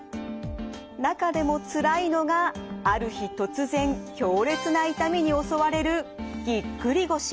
中でもつらいのがある日突然強烈な痛みに襲われるぎっくり腰。